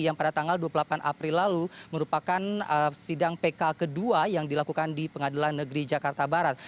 yang pada tanggal dua puluh delapan april lalu merupakan sidang pk kedua yang dilakukan di pengadilan negeri jakarta barat